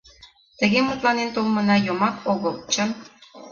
Тыге мутланен толмына йомак огыл, чын.